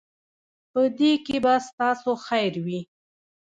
په دې کې به ستاسو خیر وي.